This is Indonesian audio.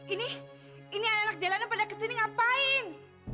ini ini anak anak jalanan pada kesini ngapain